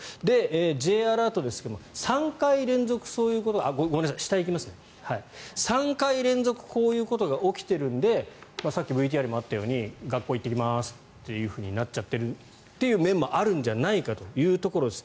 Ｊアラートですけれども３回連続こういうことが起きているのでさっきＶＴＲでもあったように学校行ってきますってなっちゃってる面もあるんじゃないかというところです。